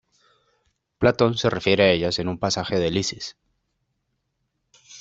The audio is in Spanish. Platón se refiere a ellas en un pasaje de Lisis.